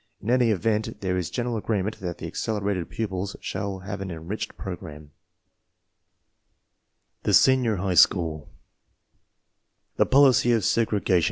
In any event, there is general agreement that the accelerated pupils shall have an enriched program. THE SENIOR HIGH SCHOOL The policy of segregation